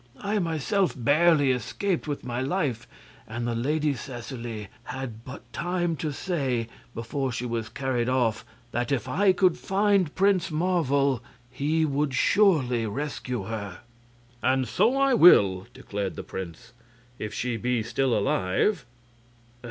I myself barely escaped with my life, and the Lady Seseley had but time to say, before she was carried off, that if I could find Prince Marvel he would surely rescue her." "And so I will!" declared the prince, "if she be still alive."